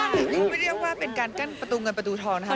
นี่เขาจะเรียกว่าเป็นการกั้นประตูเงินประตูทองนะครับ